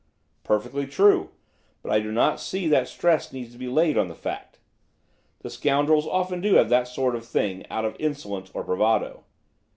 "Perfectly true; but I do not see that stress need be laid on the fact. The scoundrels often do that sort of thing out of insolence or bravado.